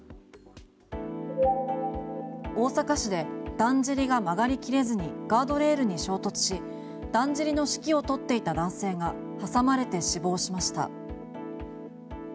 大阪市でだんじりが曲がり切れずにガードレールに衝突しだんじりの指揮を執っていた男性が挟まれて死亡しました。